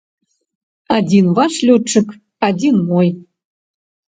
Адзін ваш лётчык, адзін мой.